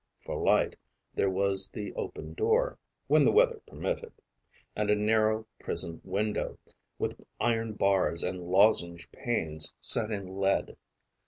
For light there was the open door, when the weather permitted, and a narrow prison window, with iron bars and lozenge panes set in lead.